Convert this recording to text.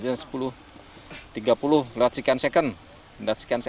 jam sepuluh tiga puluh lewat sekian second